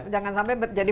jangan sampai jadi